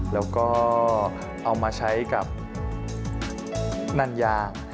แล้วก็เอามาใช้กับนัญญา